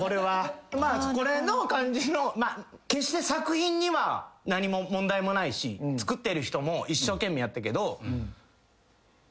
これの感じの決して作品には何も問題もないし作ってる人も一生懸命やったけど。